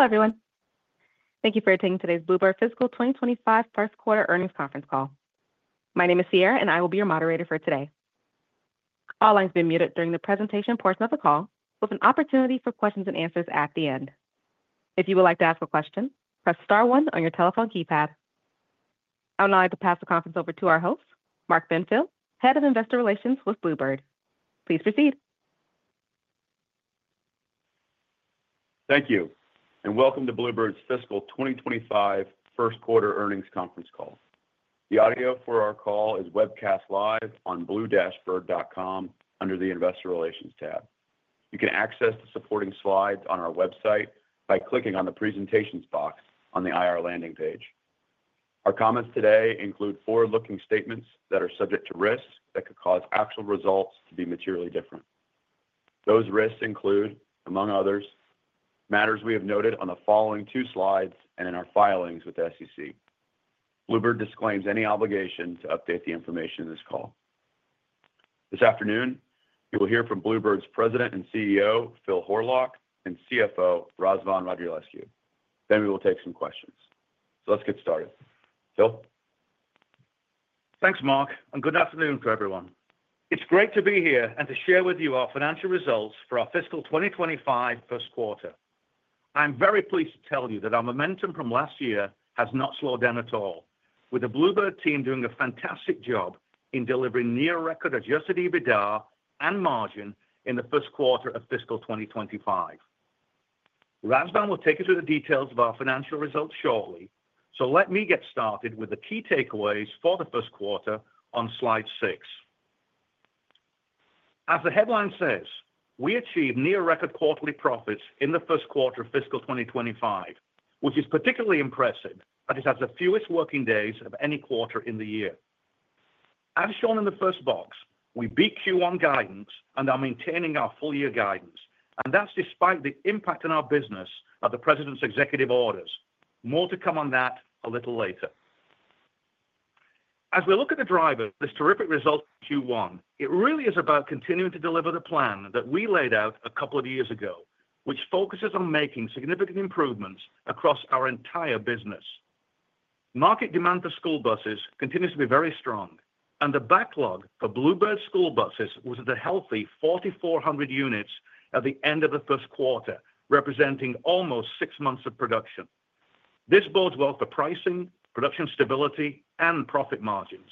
Hello, everyone. Thank you for attending today's Blue Bird Fiscal 2025 first quarter earnings conference call. My name is Sierra, and I will be your moderator for today. All lines will be muted during the presentation portion of the call, with an opportunity for questions and answers at the end. If you would like to ask a question, press star one on your telephone keypad. I'm now going to pass the conference over to our host, Mark Benfield, Head of Investor Relations with Blue Bird. Please proceed. Thank you, and welcome to Blue Bird's fiscal 2025 first quarter earnings conference call. The audio for our call is webcast live on BlueBird.com under the Investor Relations tab. You can access the supporting slides on our website by clicking on the Presentations box on the IR landing page. Our comments today include forward-looking statements that are subject to risks that could cause actual results to be materially different. Those risks include, among others, matters we have noted on the following two slides and in our filings with the SEC. Blue Bird disclaims any obligation to update the information in this call. This afternoon, you will hear from Blue Bird's President and CEO, Phil Horlock, and CFO, Razvan Radulescu. Then we will take some questions. So let's get started. Phil. Thanks, Mark, and good afternoon to everyone. It's great to be here and to share with you our financial results for our fiscal 2025 first quarter. I'm very pleased to tell you that our momentum from last year has not slowed down at all, with the Blue Bird team doing a fantastic job in delivering near-record adjusted EBITDA and margin in the first quarter of fiscal 2025. Razvan will take you through the details of our financial results shortly, so let me get started with the key takeaways for the first quarter on slide six. As the headline says, we achieved near-record quarterly profits in the first quarter of Fiscal 2025, which is particularly impressive as it has the fewest working days of any quarter in the year. As shown in the first box, we beat Q1 guidance and are maintaining our full-year guidance, and that's despite the impact on our business of the President's executive orders. More to come on that a little later. As we look at the drivers of this terrific result in Q1, it really is about continuing to deliver the plan that we laid out a couple of years ago, which focuses on making significant improvements across our entire business. Market demand for school buses continues to be very strong, and the backlog for Blue Bird school buses was at a healthy 4,400 units at the end of the first quarter, representing almost six months of production. This bodes well for pricing, production stability, and profit margins.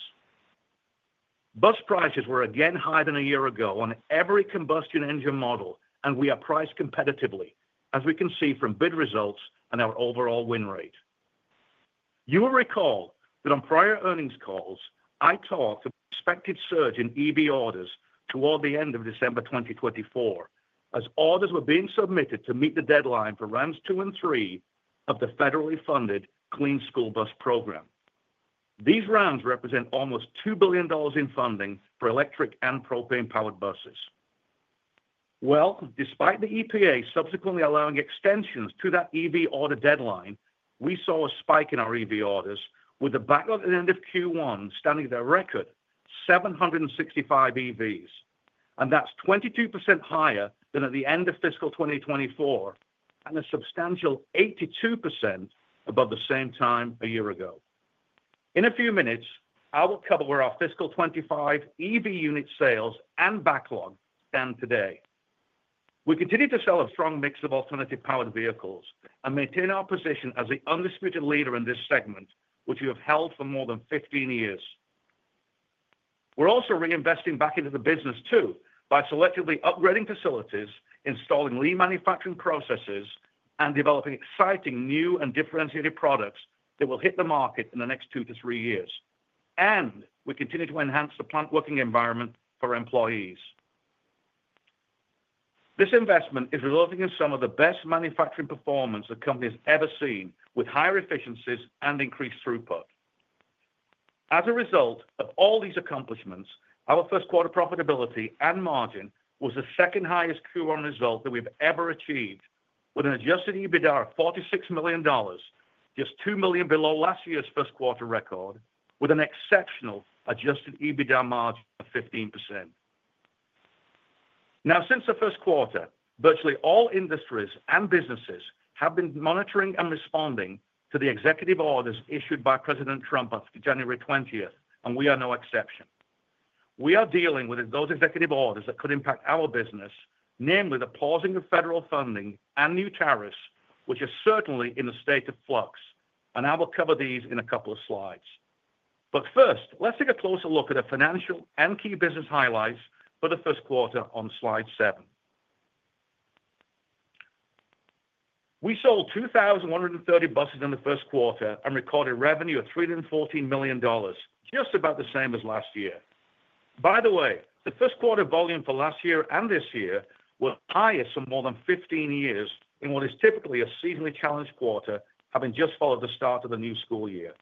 Bus prices were again higher than a year ago on every combustion engine model, and we are priced competitively, as we can see from bid results and our overall win rate. You will recall that on prior earnings calls, I talked about the expected surge in EV orders toward the end of December 2024, as orders were being submitted to meet the deadline for rounds two and three of the federally funded Clean School Bus Program. These rounds represent almost $2 billion in funding for electric and propane-powered buses. Despite the EPA subsequently allowing extensions to that EV order deadline, we saw a spike in our EV orders, with the backlog at the end of Q1 standing at a record 765 EVs, and that's 22% higher than at the end of Fiscal 2024 and a substantial 82% above the same time a year ago. In a few minutes, I will cover where our fiscal 2025 EV unit sales and backlog stand today. We continue to sell a strong mix of alternative powered vehicles and maintain our position as the undisputed leader in this segment, which we have held for more than 15 years. We're also reinvesting back into the business too by selectively upgrading facilities, installing lean manufacturing processes, and developing exciting new and differentiated products that will hit the market in the next two to three years, and we continue to enhance the plant working environment for employees. This investment is resulting in some of the best manufacturing performance the company has ever seen, with higher efficiencies and increased throughput. As a result of all these accomplishments, our first quarter profitability and margin was the second highest Q1 result that we've ever achieved, with an adjusted EBITDA of $46 million, just $2 million below last year's first quarter record, with an exceptional adjusted EBITDA margin of 15%. Now, since the first quarter, virtually all industries and businesses have been monitoring and responding to the executive orders issued by President Trump on January 20th, and we are no exception. We are dealing with those executive orders that could impact our business, namely the pausing of federal funding and new tariffs, which are certainly in a state of flux, and I will cover these in a couple of slides. But first, let's take a closer look at the financial and key business highlights for the first quarter on slide seven. We sold 2,130 buses in the first quarter and recorded revenue of $314 million, just about the same as last year. By the way, the first quarter volume for last year and this year were higher for more than 15 years in what is typically a seasonally challenged quarter, having just followed the start of the new school year.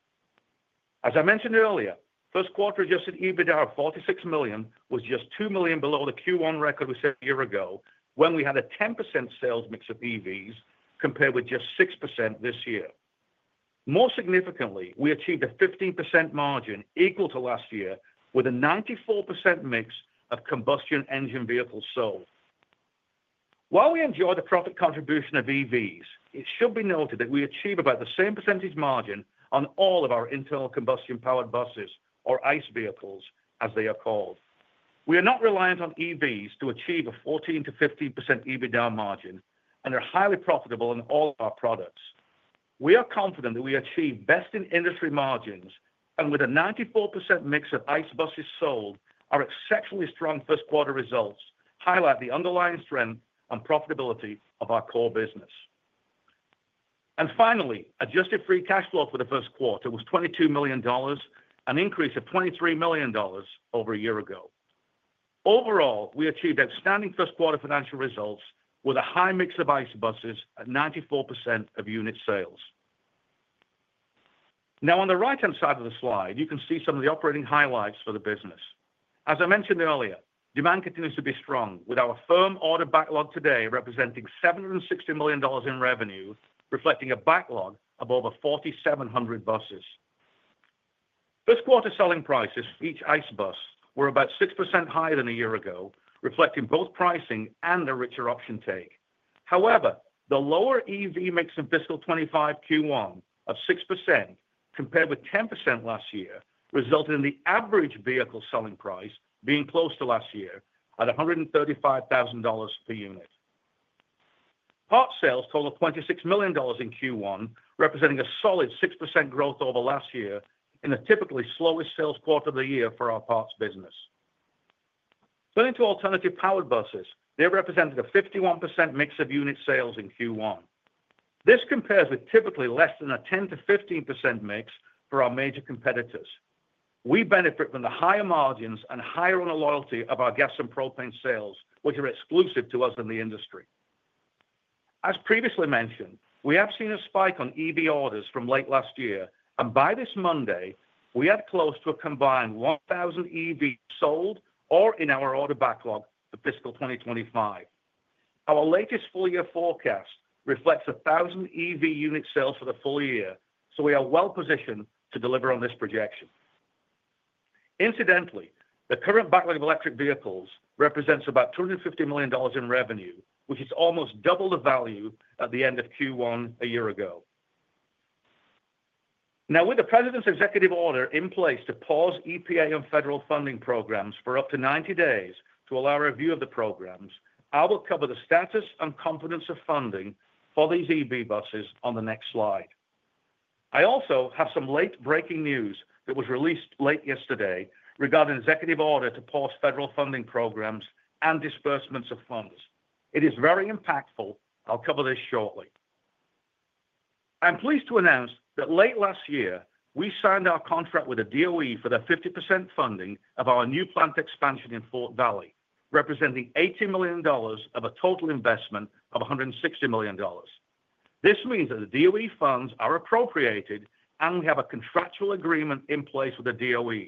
As I mentioned earlier, first quarter Adjusted EBITDA of $46 million was just $2 million below the Q1 record we set a year ago when we had a 10% sales mix of EVs compared with just 6% this year. More significantly, we achieved a 15% margin equal to last year, with a 94% mix of combustion engine vehicles sold. While we enjoy the profit contribution of EVs, it should be noted that we achieve about the same percentage margin on all of our internal combustion powered buses, or ICE vehicles, as they are called. We are not reliant on EVs to achieve a 14%-15% EBITDA margin, and they're highly profitable on all of our products. We are confident that we achieve best in industry margins, and with a 94% mix of ICE buses sold, our exceptionally strong first quarter results highlight the underlying strength and profitability of our core business. And finally, adjusted free cash flow for the first quarter was $22 million, an increase of $23 million over a year ago. Overall, we achieved outstanding first quarter financial results with a high mix of ICE buses at 94% of unit sales. Now, on the right-hand side of the slide, you can see some of the operating highlights for the business. As I mentioned earlier, demand continues to be strong, with our firm order backlog today representing $760 million in revenue, reflecting a backlog of over 4,700 buses. First quarter selling prices for each ICE bus were about 6% higher than a year ago, reflecting both pricing and a richer option take. However, the lower EV mix in fiscal 2025 Q1 of 6% compared with 10% last year resulted in the average vehicle selling price being close to last year at $135,000 per unit. Parts sales totaled $26 million in Q1, representing a solid 6% growth over last year in the typically slowest sales quarter of the year for our parts business. Turning to alternative powered buses, they represented a 51% mix of unit sales in Q1. This compares with typically less than a 10%-15% mix for our major competitors. We benefit from the higher margins and higher from the loyalty of our gas and propane sales, which are exclusive to us in the industry. As previously mentioned, we have seen a spike in EV orders from late last year, and by this Monday, we had close to a combined 1,000 EVs sold or in our order backlog for fiscal 2025. Our latest full-year forecast reflects 1,000 EV unit sales for the full year, so we are well positioned to deliver on this projection. Incidentally, the current backlog of electric vehicles represents about $250 million in revenue, which is almost double the value at the end of Q1 a year ago. Now, with the President's executive order in place to pause EPA and federal funding programs for up to 90 days to allow a review of the programs, I will cover the status and confidence of funding for these EV buses on the next slide. I also have some late-breaking news that was released late yesterday regarding the executive order to pause federal funding programs and disbursements of funds. It is very impactful. I'll cover this shortly. I'm pleased to announce that late last year, we signed our contract with a DOE for the 50% funding of our new plant expansion in Fort Valley, representing $18 million of a total investment of $160 million. This means that the DOE funds are appropriated, and we have a contractual agreement in place with the DOE.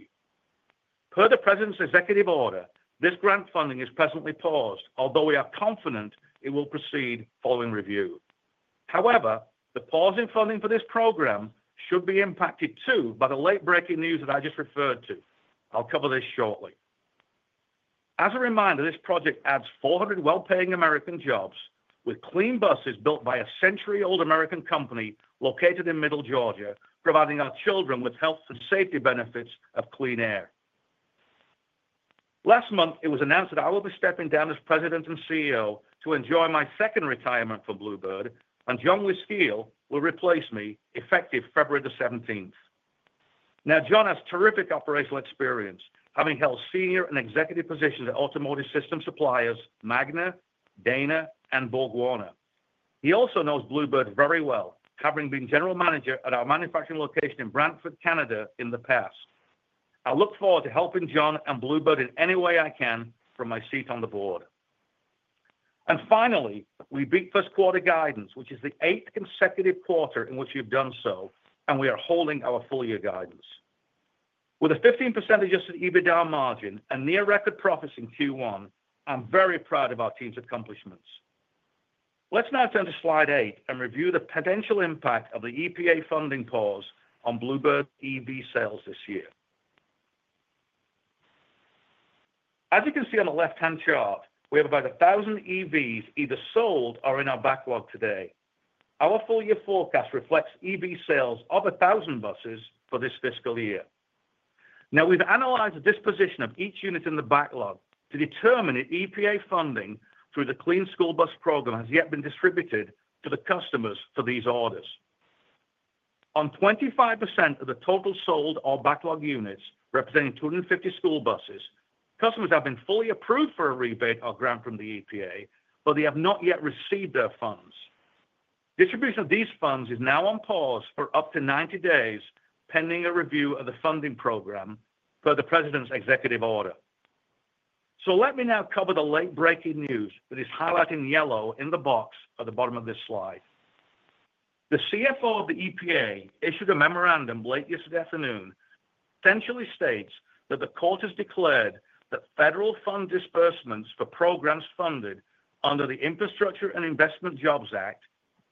Per the President's executive order, this grant funding is presently paused, although we are confident it will proceed following review. However, the pausing of funding for this program should be impacted too by the late-breaking news that I just referred to. I'll cover this shortly. As a reminder, this project adds 400 well-paying American jobs with clean buses built by a century-old American company located in Middle Georgia, providing our children with health and safety benefits of clean air. Last month, it was announced that I will be stepping down as President and CEO to enjoy my second retirement from Blue Bird, and John Wyskiel will replace me effective February the 17th. Now, John has terrific operational experience, having held senior and executive positions at automotive system suppliers Magna, Dana, and BorgWarner. He also knows Blue Bird very well, having been General Manager at our manufacturing location in Brantford, Canada, in the past. I look forward to helping John and Blue Bird in any way I can from my seat on the board. And finally, we beat first quarter guidance, which is the eighth consecutive quarter in which we've done so, and we are holding our full-year guidance. With a 15% Adjusted EBITDA margin and near-record profits in Q1, I'm very proud of our team's accomplishments. Let's now turn to slide eight and review the potential impact of the EPA funding pause on Blue Bird EV sales this year. As you can see on the left-hand chart, we have about 1,000 EVs either sold or in our backlog today. Our full-year forecast reflects EV sales of 1,000 buses for this fiscal year. Now, we've analyzed the disposition of each unit in the backlog to determine if EPA funding through the Clean School Bus Program has yet been distributed to the customers for these orders. On 25% of the total sold or backlog units, representing 250 school buses, customers have been fully approved for a rebate or grant from the EPA, but they have not yet received their funds. Distribution of these funds is now on pause for up to 90 days, pending a review of the funding program per the President's executive order. So let me now cover the late-breaking news that is highlighted in yellow in the box at the bottom of this slide. The CFO of the EPA issued a memorandum late yesterday afternoon that essentially states that the court has declared that federal fund disbursements for programs funded under the Infrastructure and Investment Jobs Act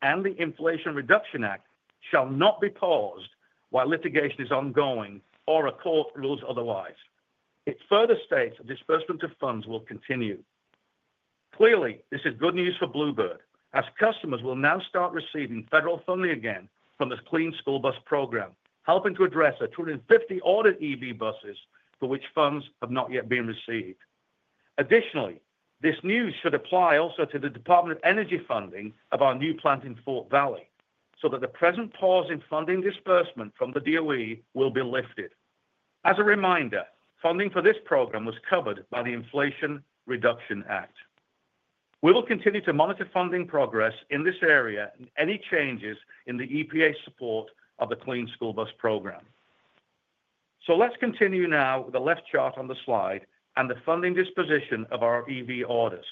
and the Inflation Reduction Act shall not be paused while litigation is ongoing or a court rules otherwise. It further states that disbursement of funds will continue. Clearly, this is good news for Blue Bird, as customers will now start receiving federal funding again from the Clean School Bus Program, helping to address the 250 ordered EV buses for which funds have not yet been received. Additionally, this news should apply also to the Department of Energy funding of our new plant in Fort Valley, so that the present pause in funding disbursement from the DOE will be lifted. As a reminder, funding for this program was covered by the Inflation Reduction Act. We will continue to monitor funding progress in this area and any changes in the EPA's support of the Clean School Bus Program. So let's continue now with the left chart on the slide and the funding disposition of our EV orders.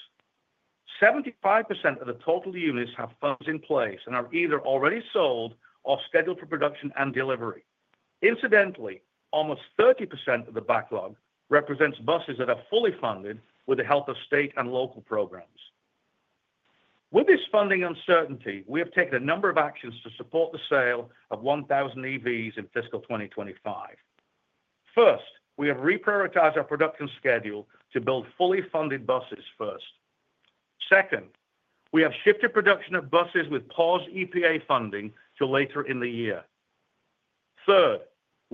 75% of the total units have funds in place and are either already sold or scheduled for production and delivery. Incidentally, almost 30% of the backlog represents buses that are fully funded with the help of state and local programs. With this funding uncertainty, we have taken a number of actions to support the sale of 1,000 EVs in Fiscal 2025. First, we have reprioritized our production schedule to build fully funded buses first. Second, we have shifted production of buses with paused EPA funding to later in the year. Third,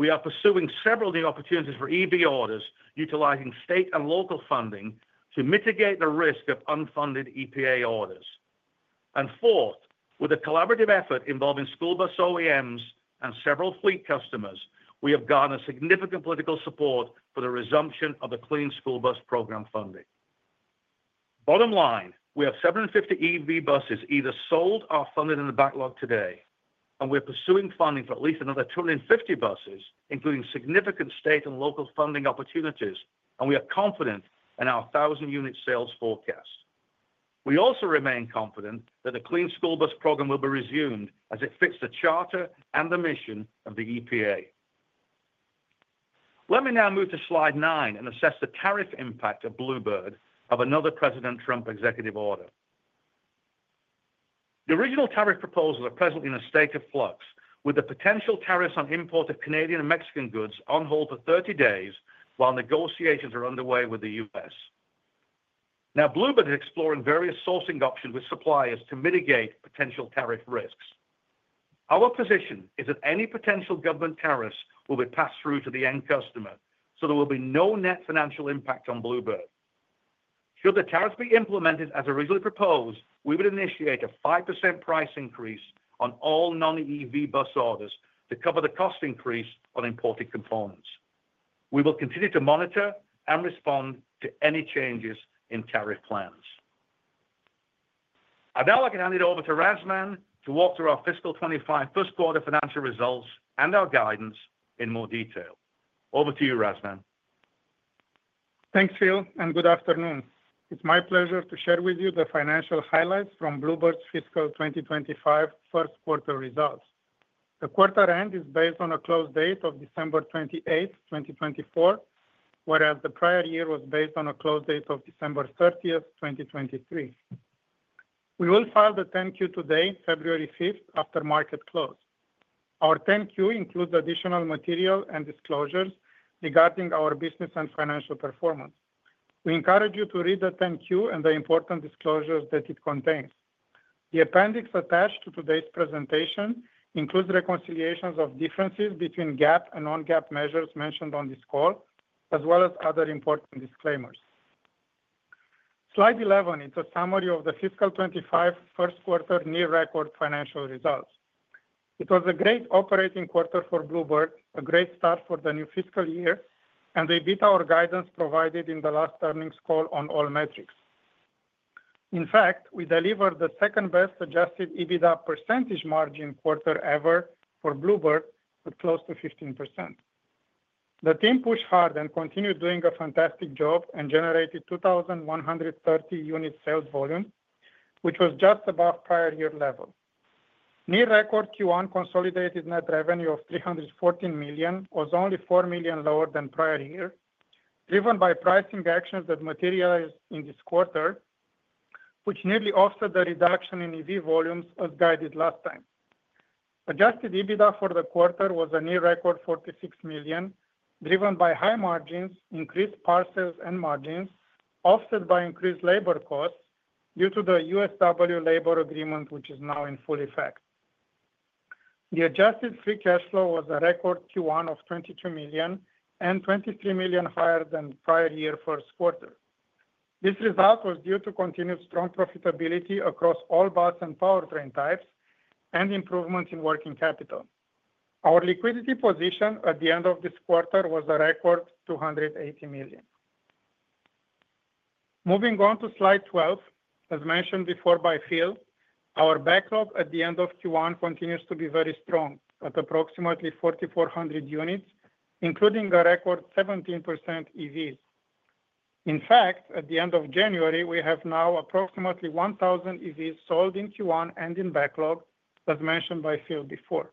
we are pursuing several new opportunities for EV orders, utilizing state and local funding to mitigate the risk of unfunded EPA orders, and fourth, with a collaborative effort involving school bus OEMs and several fleet customers, we have garnered significant political support for the resumption of the Clean School Bus Program funding. Bottom line, we have 750 EV buses either sold or funded in the backlog today, and we're pursuing funding for at least another 250 buses, including significant state and local funding opportunities, and we are confident in our 1,000 unit sales forecast. We also remain confident that the Clean School Bus Program will be resumed as it fits the charter and the mission of the EPA. Let me now move to slide nine and assess the tariff impact on Blue Bird from another President Trump executive order. The original tariff proposals are presently in a state of flux, with the potential tariffs on import of Canadian and Mexican goods on hold for 30 days while negotiations are underway with the U.S. Now, Blue Bird is exploring various sourcing options with suppliers to mitigate potential tariff risks. Our position is that any potential government tariffs will be passed through to the end customer, so there will be no net financial impact on Blue Bird. Should the tariffs be implemented as originally proposed, we would initiate a 5% price increase on all non-EV bus orders to cover the cost increase on imported components. We will continue to monitor and respond to any changes in tariff plans. I'd now like to hand it over to Razvan to walk through our fiscal 2025 first quarter financial results and our guidance in more detail. Over to you, Razvan. Thanks, Phil, and good afternoon. It's my pleasure to share with you the financial highlights from Blue Bird's fiscal 2025 first quarter results. The quarter end is based on a close date of December 28, 2024, whereas the prior year was based on a close date of December 30, 2023. We will file the 10-Q today, February 5, after market close. Our 10-Q includes additional material and disclosures regarding our business and financial performance. We encourage you to read the 10-Q and the important disclosures that it contains. The appendix attached to today's presentation includes reconciliations of differences between GAAP and non-GAAP measures mentioned on this call, as well as other important disclaimers. Slide 11 is a summary of the fiscal 2025 first quarter near-record financial results. It was a great operating quarter for Blue Bird, a great start for the new fiscal year, and they beat our guidance provided in the last earnings call on all metrics. In fact, we delivered the second-best adjusted EBITDA percentage margin quarter ever for Blue Bird, with close to 15%. The team pushed hard and continued doing a fantastic job and generated 2,130 unit sales volume, which was just above prior year level. Near-record Q1 consolidated net revenue of $314 million was only $4 million lower than prior year, driven by pricing actions that materialized in this quarter, which nearly offset the reduction in EV volumes as guided last time. Adjusted EBITDA for the quarter was a near-record $46 million, driven by high margins, increased parts and margins, offset by increased labor costs due to the USW labor agreement, which is now in full effect. The adjusted free cash flow was a record Q1 of $22 million and $23 million higher than prior year first quarter. This result was due to continued strong profitability across all bus and powertrain types and improvements in working capital. Our liquidity position at the end of this quarter was a record $280 million. Moving on to slide 12, as mentioned before by Phil, our backlog at the end of Q1 continues to be very strong at approximately 4,400 units, including a record 17% EVs. In fact, at the end of January, we have now approximately 1,000 EVs sold in Q1 and in backlog, as mentioned by Phil before.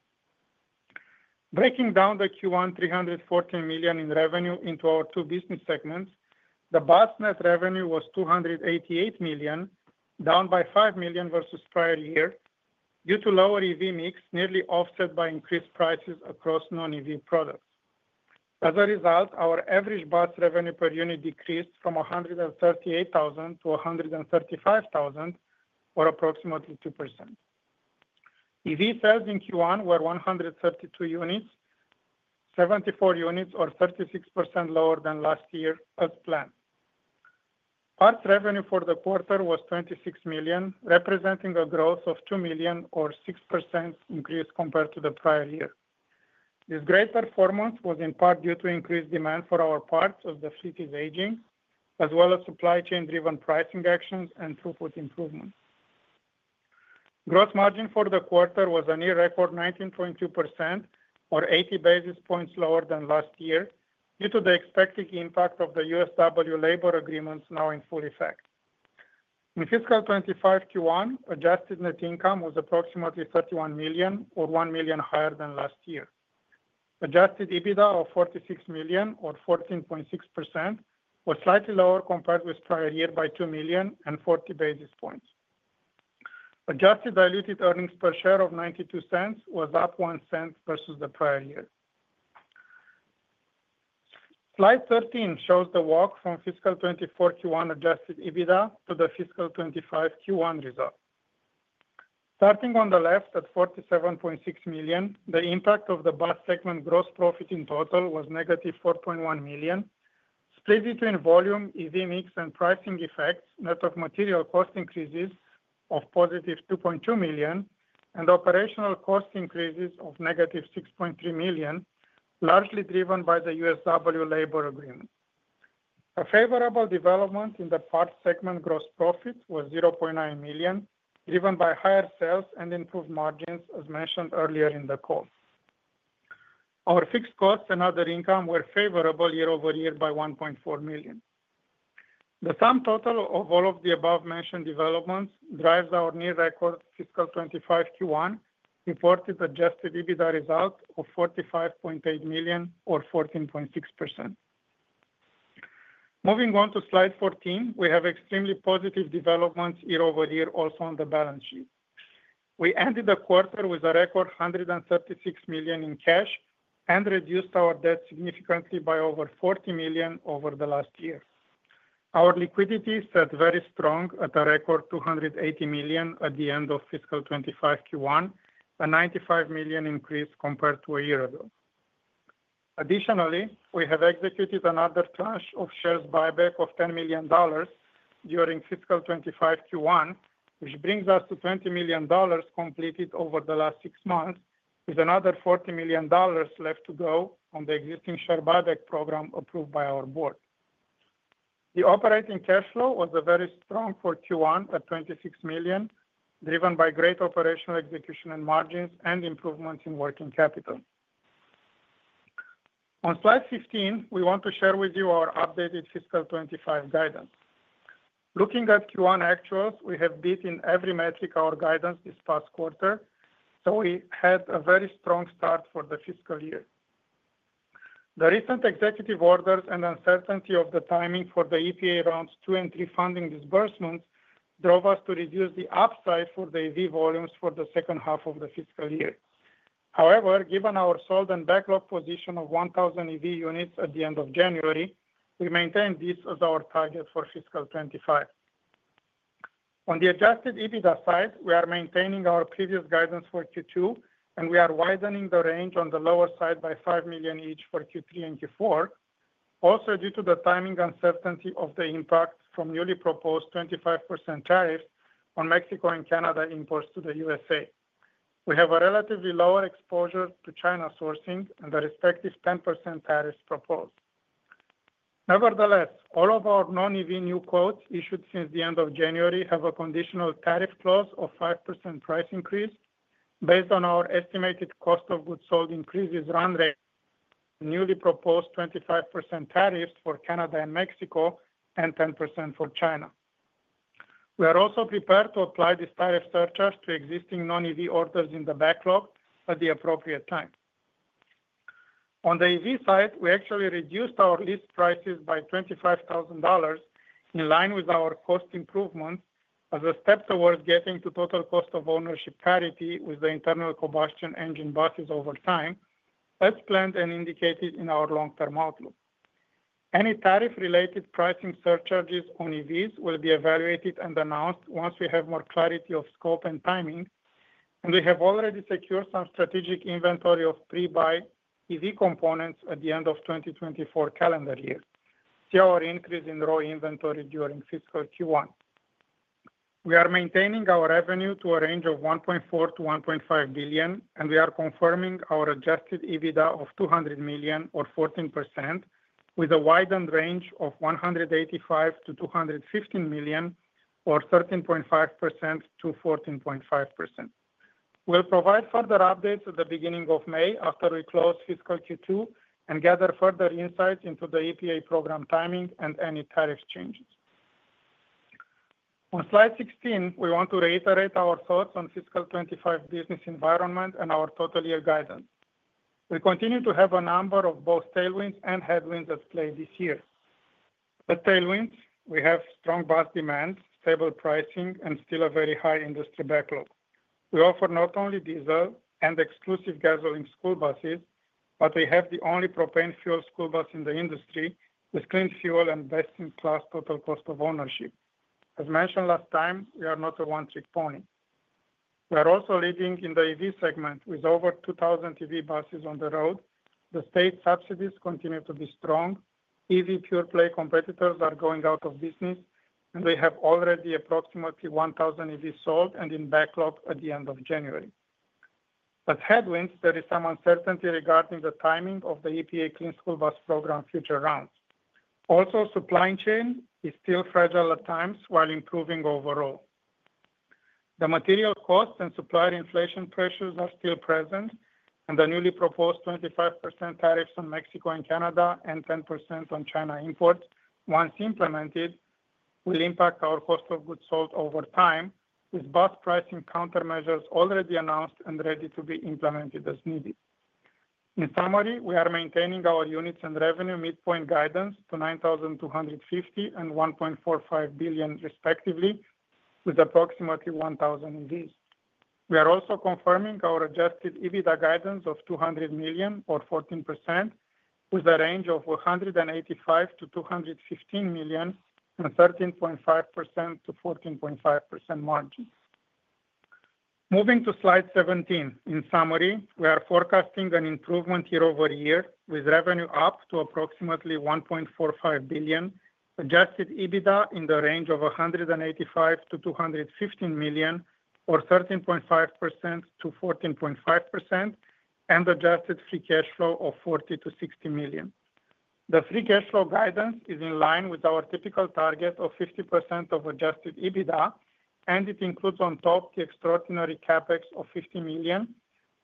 Breaking down the Q1 $314 million in revenue into our two business segments, the bus net revenue was $288 million, down by $5 million versus prior year due to lower EV mix, nearly offset by increased prices across non-EV products. As a result, our average bus revenue per unit decreased from $138,000 to $135,000, or approximately 2%. EV sales in Q1 were 132 units, 74 units, or 36% lower than last year, as planned. Parts revenue for the quarter was $26 million, representing a growth of $2 million, or 6% increase compared to the prior year. This great performance was in part due to increased demand for our parts as the fleet is aging, as well as supply chain-driven pricing actions and throughput improvements. Gross margin for the quarter was a near-record 19.2%, or 80 basis points lower than last year, due to the expected impact of the USW labor agreements now in full effect. In fiscal 2025 Q1, adjusted net income was approximately $31 million, or $1 million higher than last year. Adjusted EBITDA of $46 million, or 14.6%, was slightly lower compared with prior year by $2 million and 40 basis points. Adjusted diluted earnings per share of $0.92 was up $0.01 versus the prior year. Slide 13 shows the walk from fiscal 2024 Q1 adjusted EBITDA to the fiscal 2025 Q1 result. Starting on the left at $47.6 million, the impact of the bus segment gross profit in total was negative $4.1 million, split between volume, EV mix, and pricing effects, net of material cost increases of positive $2.2 million, and operational cost increases of negative $6.3 million, largely driven by the USW labor agreement. A favorable development in the parts segment gross profit was $0.9 million, driven by higher sales and improved margins, as mentioned earlier in the call. Our fixed costs and other income were favorable year over year by $1.4 million. The sum total of all of the above-mentioned developments drives our near-record fiscal 2025 Q1 reported adjusted EBITDA result of $45.8 million, or 14.6%. Moving on to slide 14, we have extremely positive developments year over year, also on the balance sheet. We ended the quarter with a record $136 million in cash and reduced our debt significantly by over $40 million over the last year. Our liquidity sits very strong at a record $280 million at the end of fiscal 2025 Q1, a $95 million increase compared to a year ago. Additionally, we have executed another tranche of share buyback of $10 million during Fiscal 2025 Q1, which brings us to $20 million completed over the last six months, with another $40 million left to go on the existing share buyback program approved by our board. The operating cash flow was very strong for Q1 at $26 million, driven by great operational execution and margins and improvements in working capital. On slide 15, we want to share with you our updated fiscal 2025 guidance. Looking at Q1 actuals, we have beaten in every metric our guidance this past quarter, so we had a very strong start for the fiscal year. The recent executive orders and uncertainty of the timing for the EPA round two and three funding disbursements drove us to reduce the upside for the EV volumes for the second half of the fiscal year. However, given our solid and backlog position of 1,000 EV units at the end of January, we maintained this as our target for Fiscal 25. On the adjusted EBITDA side, we are maintaining our previous guidance for Q2, and we are widening the range on the lower side by $5 million each for Q3 and Q4, also due to the timing uncertainty of the impact from newly proposed 25% tariffs on Mexico and Canada imports to the USA. We have a relatively lower exposure to China sourcing and the respective 10% tariffs proposed. Nevertheless, all of our non-EV new quotes issued since the end of January have a conditional tariff clause of 5% price increase based on our estimated cost of goods sold increases run rate and newly proposed 25% tariffs for Canada and Mexico and 10% for China. We are also prepared to apply these tariff surcharges to existing non-EV orders in the backlog at the appropriate time. On the EV side, we actually reduced our list prices by $25,000 in line with our cost improvements as a step towards getting to total cost of ownership parity with the internal combustion engine buses over time as planned and indicated in our long-term outlook. Any tariff-related pricing surcharges on EVs will be evaluated and announced once we have more clarity of scope and timing, and we have already secured some strategic inventory of pre-buy EV components at the end of 2024 calendar year, see our increase in raw inventory during Fiscal Q1. We are maintaining our revenue to a range of $1.4 billion-$1.5 billion, and we are confirming our adjusted EBITDA of $200 million, or 14%, with a widened range of $185 million-$215 million, or 13.5%-14.5%. We'll provide further updates at the beginning of May after we close fiscal Q2 and gather further insights into the EPA program timing and any tariff changes. On slide 16, we want to reiterate our thoughts on fiscal 2025 business environment and our total year guidance. We continue to have a number of both tailwinds and headwinds at play this year. The tailwinds, we have strong bus demands, stable pricing, and still a very high industry backlog. We offer not only diesel and exclusive gasoline school buses, but we have the only propane fuel school bus in the industry with clean fuel and best-in-class total cost of ownership. As mentioned last time, we are not a one-trick pony. We are also leading in the EV segment with over 2,000 EV buses on the road. The state subsidies continue to be strong. EV pure-play competitors are going out of business, and we have already approximately 1,000 EVs sold and in backlog at the end of January. As headwinds, there is some uncertainty regarding the timing of the EPA Clean School Bus Program future rounds. Also, supply chain is still fragile at times while improving overall. The material costs and supplier inflation pressures are still present, and the newly proposed 25% tariffs on Mexico and Canada and 10% on China imports, once implemented, will impact our cost of goods sold over time with bus pricing countermeasures already announced and ready to be implemented as needed. In summary, we are maintaining our units and revenue midpoint guidance to 9,250 and $1.45 billion, respectively, with approximately 1,000 EVs. We are also confirming our Adjusted EBITDA guidance of $200 million, or 14%, with a range of $185 million-$215 million and 13.5%-14.5% margins. Moving to slide 17, in summary, we are forecasting an improvement year over year with revenue up to approximately $1.45 billion, adjusted EBITDA in the range of $185 million-$215 million, or 13.5%-14.5%, and adjusted free cash flow of $40-$60 million. The free cash flow guidance is in line with our typical target of 50% of adjusted EBITDA, and it includes on top the extraordinary CapEx of $50 million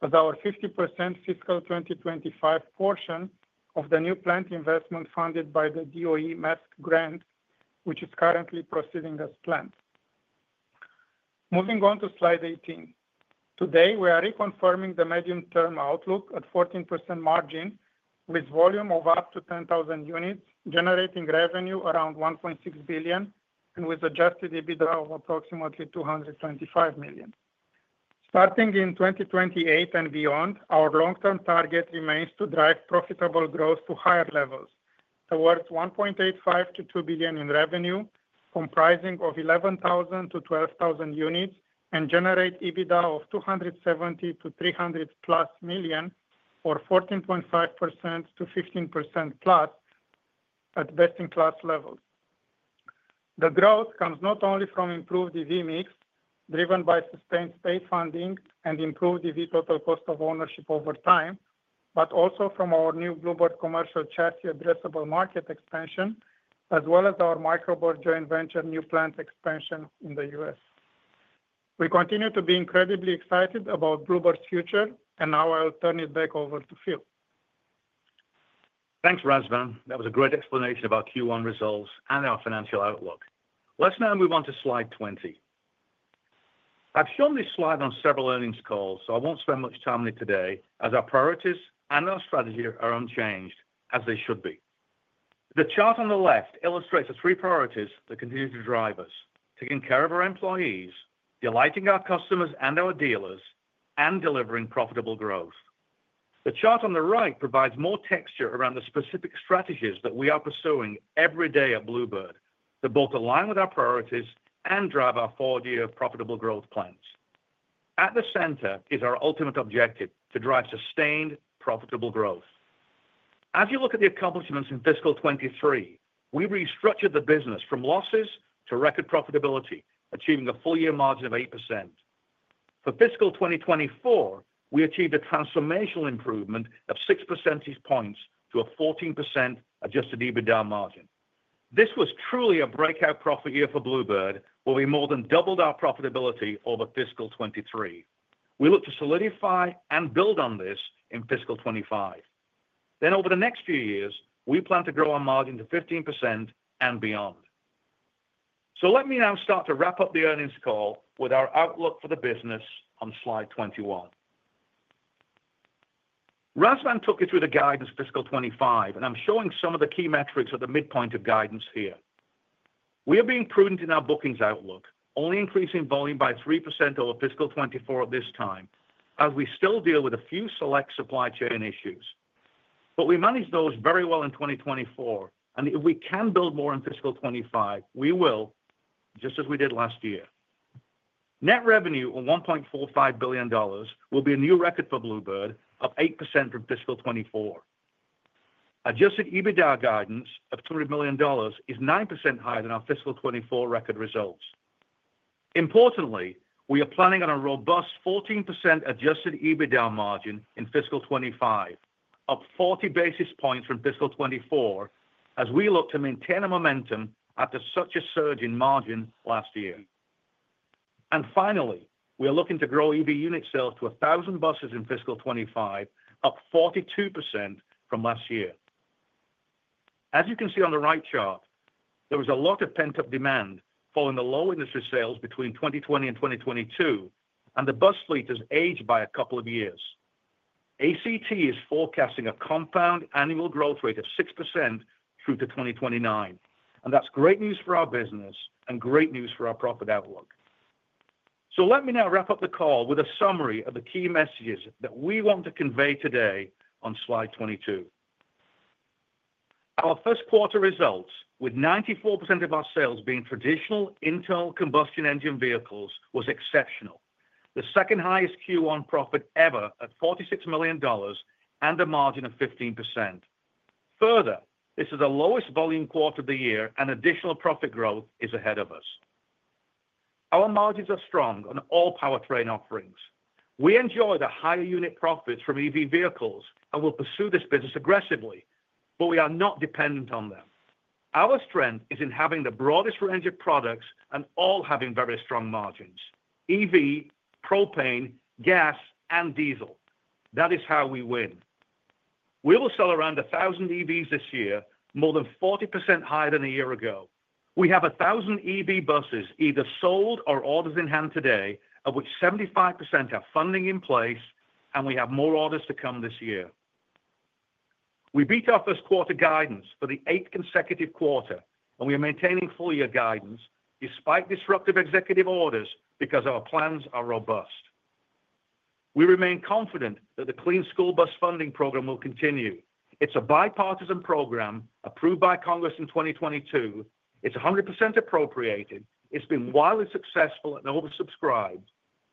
as our 50% fiscal 2025 portion of the new plant investment funded by the DOE MESC grant, which is currently proceeding as planned. Moving on to slide 18. Today, we are reconfirming the medium-term outlook at 14% margin with volume of up to 10,000 units, generating revenue around $1.6 billion and with adjusted EBITDA of approximately $225 million. Starting in 2028 and beyond, our long-term target remains to drive profitable growth to higher levels, towards $1.85billion -$2 billion in revenue, comprising of 11,000-12,000 units, and generate EBITDA of $270 million-$300+ million, or 14.5%-15%+ at best-in-class levels. The growth comes not only from improved EV mix, driven by sustained state funding and improved EV total cost of ownership over time, but also from our new Blue Bird commercial chassis addressable market expansion, as well as our Micro Bird joint venture new plant expansion in the U.S. We continue to be incredibly excited about Blue Bird's future, and now I'll turn it back over to Phil. Thanks, Razvan. That was a great explanation about Q1 results and our financial outlook. Let's now move on to slide 20. I've shown this slide on several earnings calls, so I won't spend much time on it today, as our priorities and our strategy are unchanged, as they should be. The chart on the left illustrates the three priorities that continue to drive us: taking care of our employees, delighting our customers and our dealers, and delivering profitable growth. The chart on the right provides more texture around the specific strategies that we are pursuing every day at Blue Bird that both align with our priorities and drive our four-year profitable growth plans. At the center is our ultimate objective: to drive sustained profitable growth. As you look at the accomplishments in fiscal 2023, we restructured the business from losses to record profitability, achieving a full-year margin of 8%. For fiscal 2024, we achieved a transformational improvement of six percentage points to a 14% Adjusted EBITDA margin. This was truly a breakout profit year for Blue Bird, where we more than doubled our profitability over fiscal 2023. We look to solidify and build on this in fiscal 2025. Then, over the next few years, we plan to grow our margin to 15% and beyond. So let me now start to wrap up the earnings call with our outlook for the business on slide 21. Razvan took you through the guidance for fiscal 2025, and I'm showing some of the key metrics at the midpoint of guidance here. We are being prudent in our bookings outlook, only increasing volume by 3% over fiscal 2024 at this time, as we still deal with a few select supply chain issues. But we managed those very well in 2024, and if we can build more in fiscal 2025, we will, just as we did last year. Net revenue of $1.45 billion will be a new record for Blue Bird of 8% from fiscal 2024. Adjusted EBITDA guidance of $200 million is 9% higher than our Fiscal 2024 record results. Importantly, we are planning on a robust 14% adjusted EBITDA margin in fiscal 2025, up 40 basis points from fiscal 2024, as we look to maintain a momentum after such a surge in margin last year. And finally, we are looking to grow EV unit sales to 1,000 buses in fiscal 2025, up 42% from last year. As you can see on the right chart, there was a lot of pent-up demand following the low industry sales between 2020 and 2022, and the bus fleet has aged by a couple of years. ACT is forecasting a compound annual growth rate of 6% through to 2029, and that's great news for our business and great news for our profit outlook. So let me now wrap up the call with a summary of the key messages that we want to convey today on slide 22. Our first quarter results, with 94% of our sales being traditional internal combustion engine vehicles, was exceptional. The second highest Q1 profit ever at $46 million and a margin of 15%. Further, this is the lowest volume quarter of the year, and additional profit growth is ahead of us. Our margins are strong on all powertrain offerings. We enjoy the higher unit profits from EV vehicles and will pursue this business aggressively, but we are not dependent on them. Our strength is in having the broadest range of products and all having very strong margins: EV, propane, gas, and diesel. That is how we win. We will sell around 1,000 EVs this year, more than 40% higher than a year ago. We have 1,000 EV buses either sold or orders in hand today, of which 75% have funding in place, and we have more orders to come this year. We beat our first quarter guidance for the eighth consecutive quarter, and we are maintaining full-year guidance despite disruptive executive orders because our plans are robust. We remain confident that the Clean School Bus Program will continue. It's a bipartisan program approved by Congress in 2022. It's 100% appropriated. It's been widely successful and oversubscribed,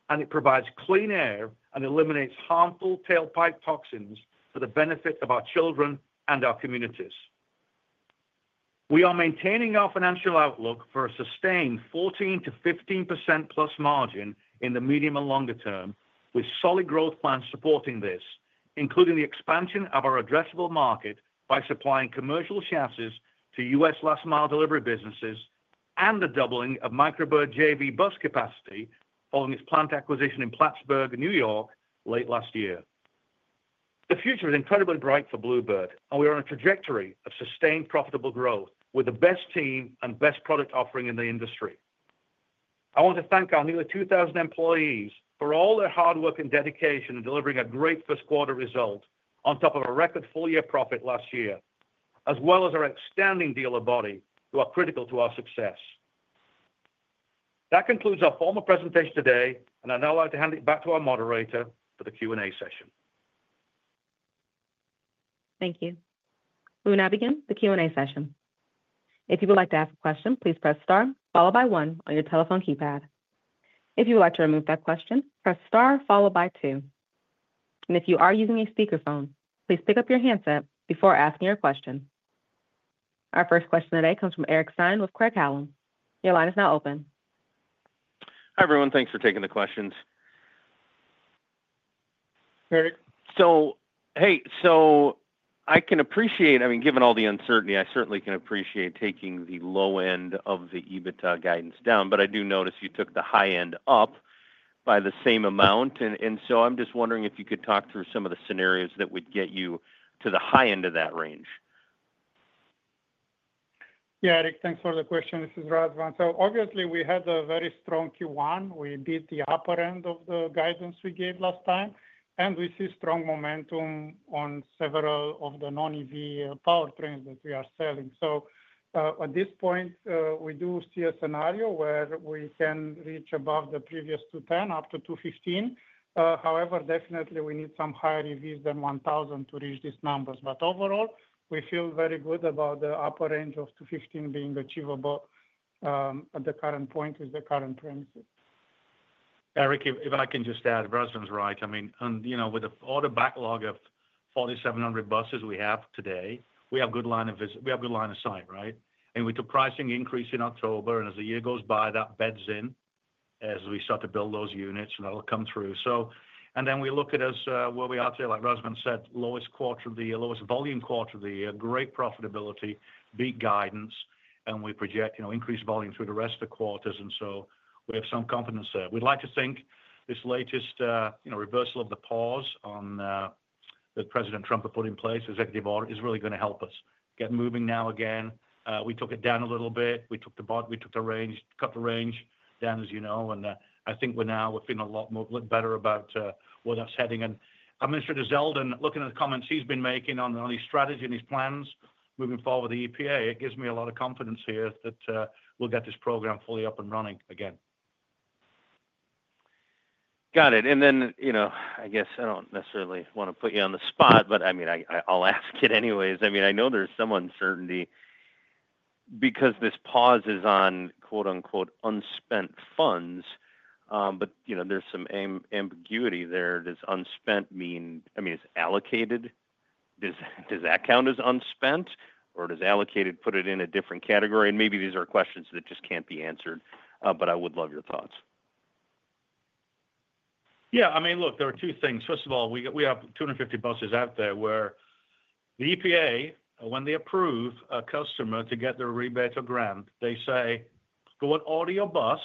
and it provides clean air and eliminates harmful tailpipe toxins for the benefit of our children and our communities. We are maintaining our financial outlook for a sustained 14% to 15% plus margin in the medium and longer term, with solid growth plans supporting this, including the expansion of our addressable market by supplying commercial chassis to U.S. last-mile delivery businesses and the doubling of Micro Bird JV bus capacity following its plant acquisition in Plattsburgh, New York, late last year. The future is incredibly bright for Blue Bird, and we are on a trajectory of sustained profitable growth with the best team and best product offering in the industry. I want to thank our nearly 2,000 employees for all their hard work and dedication in delivering a great first quarter result on top of a record full-year profit last year, as well as our outstanding dealer body who are critical to our success. That concludes our formal presentation today, and I'd now like to hand it back to our moderator for the Q&A session. Thank you. We will now begin the Q&A session. If you would like to ask a question, please press Star, followed by 1, on your telephone keypad. If you would like to remove that question, press Star, followed by 2. And if you are using a speakerphone, please pick up your handset before asking your question. Our first question today comes from Eric Stine with Craig-Hallum. Your line is now open. Hi, everyone. Thanks for taking the questions. Eric, so hey, so I can appreciate, I mean, given all the uncertainty, I certainly can appreciate taking the low end of the EBITDA guidance down, but I do notice you took the high end up by the same amount. And so I'm just wondering if you could talk through some of the scenarios that would get you to the high end of that range. Yeah, Eric, thanks for the question. This is Razvan. So obviously, we had a very strong Q1. We beat the upper end of the guidance we gave last time, and we see strong momentum on several of the non-EV powertrains that we are selling. So at this point, we do see a scenario where we can reach above the previous 210, up to 215. However, definitely, we need some higher EVs than 1,000 to reach these numbers. But overall, we feel very good about the upper range of 215 being achievable at the current point with the current premises. Eric, if I can just add, Razvan's right. I mean, and you know, with all the backlog of 4,700 buses we have today, we have a good line of sight, right? And we took pricing increase in October, and as the year goes by, that bends in as we start to build those units, and that'll come through. So, and then we look at us where we are today, like Razvan said, lowest quarter of the year, lowest volume quarter of the year, great profitability, beat guidance, and we project, you know, increased volume through the rest of the quarters. And so we have some confidence there. We'd like to think this latest, you know, reversal of the pause on that President Trump had put in place, executive order, is really going to help us get moving now again. We took it down a little bit. We took the range, cut the range down, as you know, and I think we're now, we're feeling a lot better about where that's heading. And I'm interested in Zeldin, looking at the comments he's been making on his strategy and his plans moving forward with the EPA. It gives me a lot of confidence here that we'll get this program fully up and running again. Got it. And then, you know, I guess I don't necessarily want to put you on the spot, but I mean, I'll ask it anyways. I mean, I know there's some uncertainty because this pause is on "unspent funds," but you know, there's some ambiguity there. Does unspent mean, I mean, is allocated, does that count as unspent, or does allocated put it in a different category? And maybe these are questions that just can't be answered, but I would love your thoughts. Yeah, I mean, look, there are two things. First of all, we have 250 buses out there where the EPA, when they approve a customer to get their rebate or grant, they say, "Go and order your bus,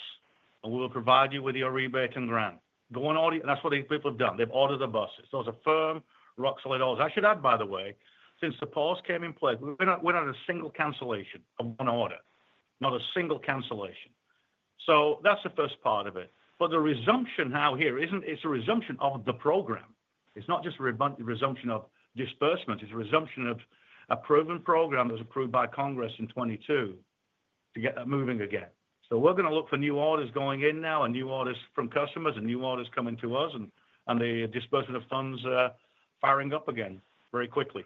and we will provide you with your rebate and grant." Go and order, and that's what these people have done. They've ordered the buses. Those are firm rock-solid orders. I should add, by the way, since the pause came in place, we're not at a single cancellation of one order, not a single cancellation. So that's the first part of it. But the resumption now here isn't, it's a resumption of the program. It's not just a resumption of disbursements. It's a resumption of a proven program that was approved by Congress in 2022 to get that moving again. So we're going to look for new orders going in now and new orders from customers and new orders coming to us, and the disbursement of funds firing up again very quickly.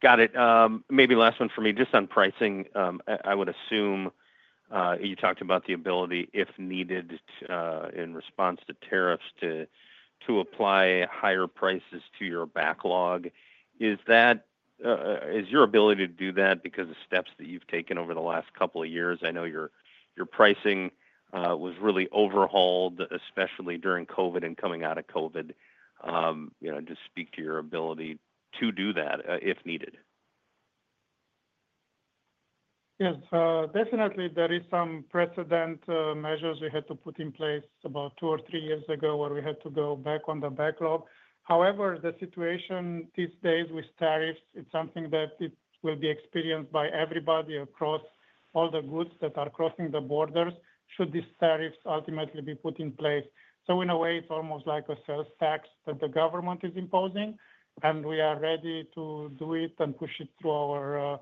Got it. Maybe last one for me, just on pricing. I would assume you talked about the ability, if needed, in response to tariffs to apply higher prices to your backlog. Is that, is your ability to do that because of steps that you've taken over the last couple of years? I know your pricing was really overhauled, especially during COVID and coming out of COVID. You know, just speak to your ability to do that if needed. Yes, definitely. There are some precedent measures we had to put in place about two or three years ago where we had to go back on the backlog. However, the situation these days with tariffs, it's something that will be experienced by everybody across all the goods that are crossing the borders should these tariffs ultimately be put in place. So in a way, it's almost like a sales tax that the government is imposing, and we are ready to do it and push it through our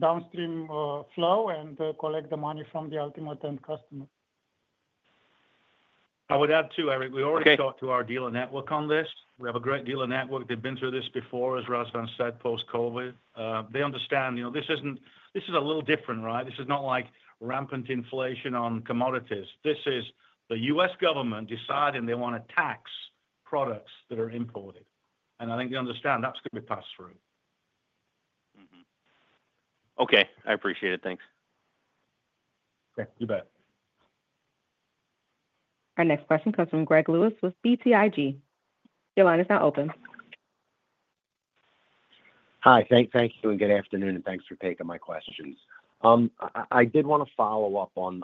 downstream flow and collect the money from the ultimate end customer. I would add too, Eric, we already talked to our dealer network on this. We have a great dealer network. They've been through this before, as Razvan said, post-COVID. They understand, you know, this isn't, this is a little different, right? This is not like rampant inflation on commodities. This is the U.S. government deciding they want to tax products that are imported. And I think they understand that's going to be passed through. Okay, I appreciate it. Thanks. Okay, you bet. Our next question comes from Greg Lewis with BTIG. Your line is now open. Hi, thank you and good afternoon, and thanks for taking my questions. I did want to follow up on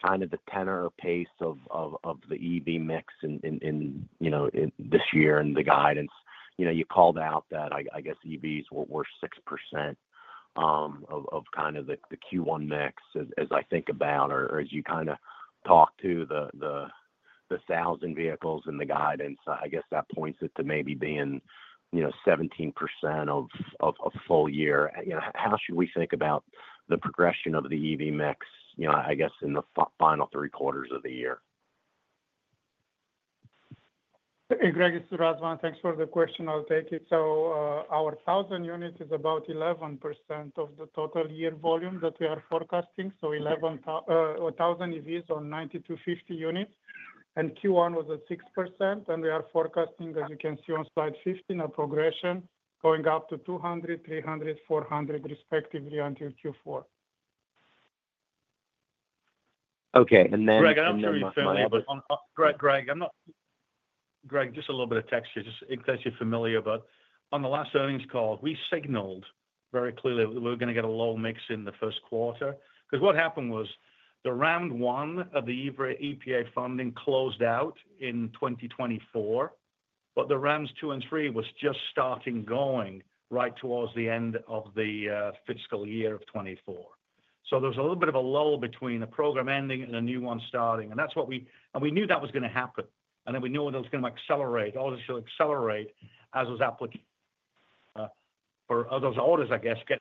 kind of the tenor or pace of the EV mix in, you know, this year and the guidance. You know, you called out that I guess EVs were 6% of kind of the Q1 mix. As I think about, or as you kind of talk to the 1,000 vehicles and the guidance, I guess that points it to maybe being, you know, 17% of full year. You know, how should we think about the progression of the EV mix, you know, I guess in the final three quarters of the year? Hey, Greg, this is Razvan. Thanks for the question. I'll take it. Our 1,000 units is about 11% of the total year volume that we are forecasting. 1,000 EVs on 9,250 units. Q1 was at 6%, and we are forecasting, as you can see on Slide 15, a progression going up to 200, 300, 400 respectively until Q4. Okay, and then Greg, I'm sure you've heard my other Greg, Greg, just a little bit of texture. Just in case you're familiar about, on the last earnings call, we signaled very clearly that we were going to get a low mix in the first quarter. Because what happened was the round one of the EPA funding closed out in 2024, but the rounds two and three were just starting going right towards the end of the fiscal year of 2024. There was a little bit of a lull between a program ending and a new one starting. And that's what we, and we knew that was going to happen. And then we knew that it was going to accelerate. All this should accelerate as those applications for those orders, I guess, get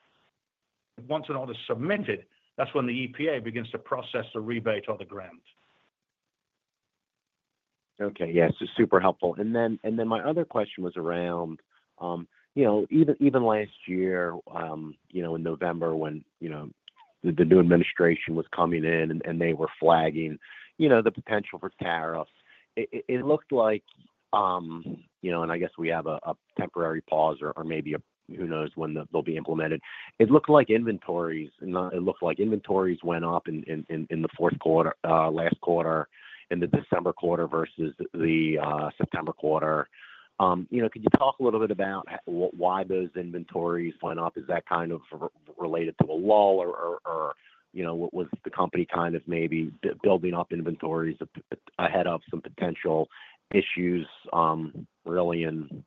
once an order is submitted. That's when the EPA begins to process the rebate or the grant. Okay, yes, it's super helpful. And then my other question was around, you know, even last year, you know, in November when, you know, the new administration was coming in and they were flagging, you know, the potential for tariffs. It looked like, you know, and I guess we have a temporary pause or maybe a, who knows when they'll be implemented. It looked like inventories went up in the fourth quarter, last quarter, in the December quarter versus the September quarter. You know, could you talk a little bit about why those inventories went up? Is that kind of related to a lull or, you know, was the company kind of maybe building up inventories ahead of some potential issues really in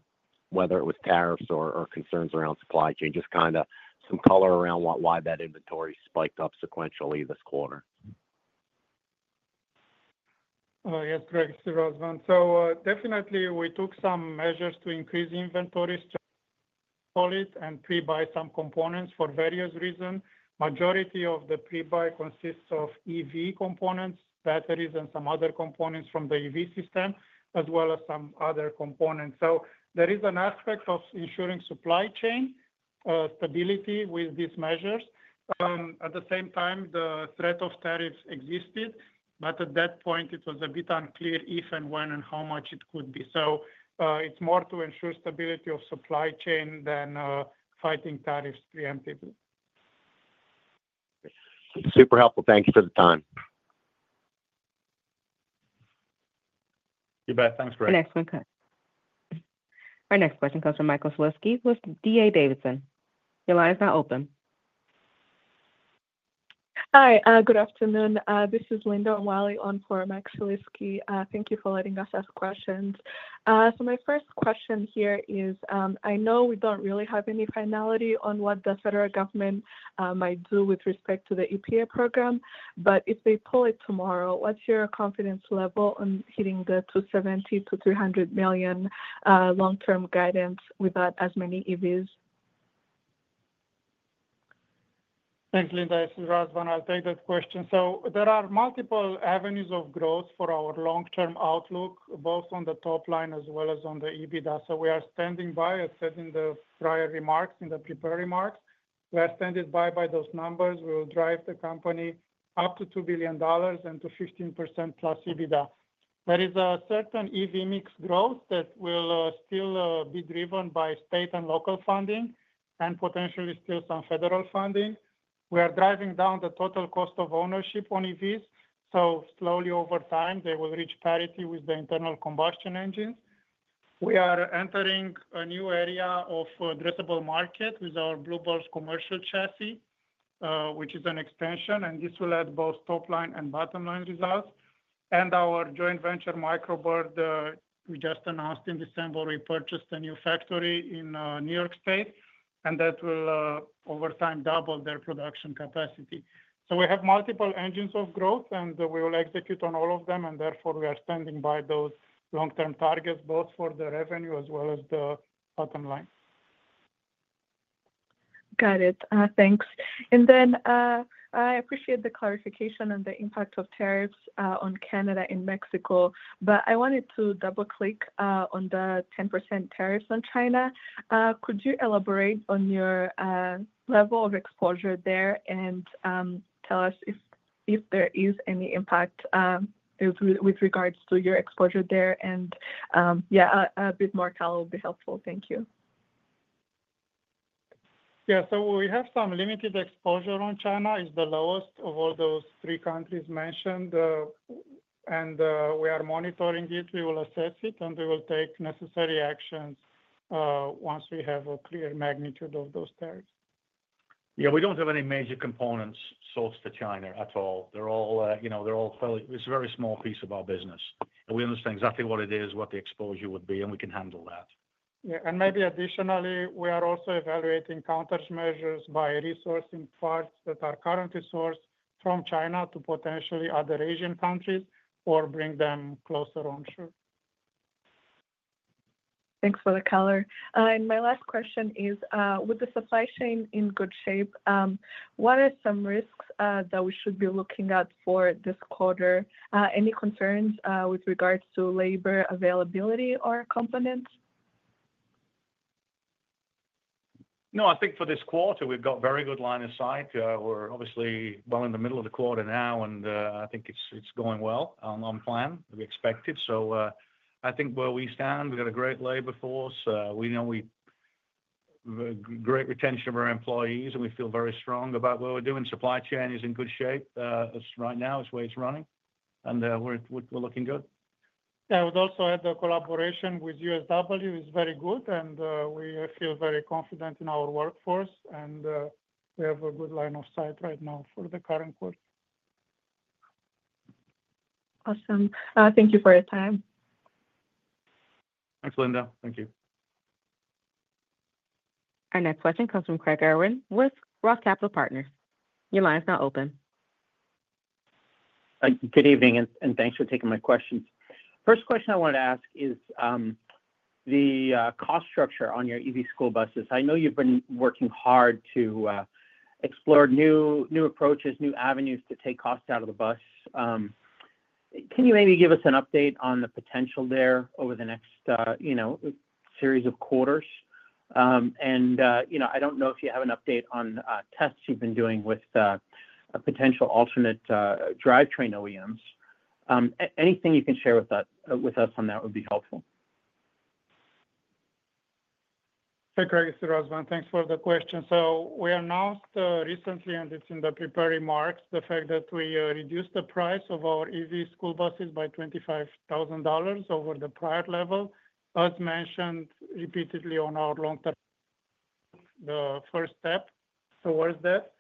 whether it was tariffs or concerns around supply chain? Just kind of some color around why that inventory spiked up sequentially this quarter. Yes, Greg, this is Razvan. So definitely we took some measures to increase inventories to call it and pre-buy some components for various reasons. Majority of the pre-buy consists of EV components, batteries, and some other components from the EV system, as well as some other components. So there is an aspect of ensuring supply chain stability with these measures. At the same time, the threat of tariffs existed, but at that point, it was a bit unclear if and when and how much it could be. So it's more to ensure stability of supply chain than fighting tariffs preemptively. Super helpful. Thank you for the time. You bet. Thanks, Greg. Our next question comes from Michael Shlisky with D.A. Davidson. Your line is now open. Hi, good afternoon. This is Linda O'Malley on for Michael Shlisky. Thank you for letting us ask questions. So my first question here is, I know we don't really have any finality on what the federal government might do with respect to the EPA program, but if they pull it tomorrow, what's your confidence level on hitting the $270 million-$300 million long-term guidance without as many EVs? Thanks, Linda. This is Razvan. I'll take that question. There are multiple avenues of growth for our long-term outlook, both on the top line as well as on the EBITDA. We are standing by, as said in the prior remarks, in the prepared remarks. We are standing by those numbers. We will drive the company up to $2 billion and to 15% plus EBITDA. There is a certain EV mix growth that will still be driven by state and local funding and potentially still some federal funding. We are driving down the total cost of ownership on EVs. Slowly over time, they will reach parity with the internal combustion engines. We are entering a new area of addressable market with our Blue Bird commercial chassis, which is an extension, and this will add both top line and bottom line results. Our joint venture, Micro Bird, we just announced in December, we purchased a new factory in New York State, and that will over time double their production capacity. We have multiple engines of growth, and we will execute on all of them, and therefore we are standing by those long-term targets, both for the revenue as well as the bottom line. Got it. Thanks. I appreciate the clarification on the impact of tariffs on Canada and Mexico, but I wanted to double click on the 10% tariffs on China. Could you elaborate on your level of exposure there and tell us if there is any impact with regards to your exposure there? And yeah, a bit more color will be helpful. Thank you. Yeah, so we have some limited exposure on China. It's the lowest of all those three countries mentioned, and we are monitoring it. We will assess it, and we will take necessary actions once we have a clear magnitude of those tariffs. Yeah, we don't have any major components sourced to China at all. They're all, you know, they're all fairly, it's a very small piece of our business. And we understand exactly what it is, what the exposure would be, and we can handle that. Yeah, and maybe additionally, we are also evaluating countermeasures by resourcing parts that are currently sourced from China to potentially other Asian countries or bring them closer onshore. Thanks for the color. And my last question is, with the supply chain in good shape, what are some risks that we should be looking at for this quarter? Any concerns with regards to labor availability or components? No, I think for this quarter, we've got very good line of sight. We're obviously well in the middle of the quarter now, and I think it's going well on plan. We expect it, so I think where we stand, we've got a great labor force. We know we have great retention of our employees, and we feel very strong about where we're doing. Supply chain is in good shape right now, is where it's running, and we're looking good. Yeah, we'd also add the collaboration with USW is very good, and we feel very confident in our workforce, and we have a good line of sight right now for the current quarter. Awesome. Thank you for your time. Thanks, Linda. Thank you. Our next question comes from Craig Irwin with Roth Capital Partners. Your line is now open. Good evening, and thanks for taking my questions. First question I wanted to ask is the cost structure on your EV school buses. I know you've been working hard to explore new approaches, new avenues to take costs out of the bus. Can you maybe give us an update on the potential there over the next, you know, series of quarters? And, you know, I don't know if you have an update on tests you've been doing with potential alternate drivetrain OEMs. Anything you can share with us on that would be helpful. Hey, Craig, this is Razvan. Thanks for the question, so we announced recently, and it's in the prepared remarks, the fact that we reduced the price of our EV school buses by $25,000 over the prior level, as mentioned repeatedly on our long-term the first step towards that.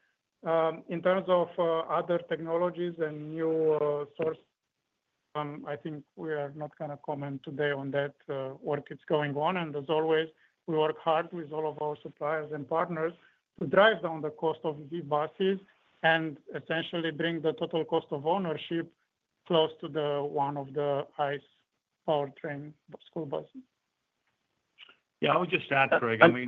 In terms of other technologies and new sources, I think we are not going to comment today on that work that's going on. And as always, we work hard with all of our suppliers and partners to drive down the cost of EV buses and essentially bring the total cost of ownership close to one of the highest power train school buses. Yeah, I would just add, Craig, I mean,